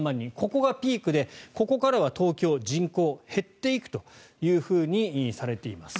ここがピークでここからは東京は人口が減っていくとされています。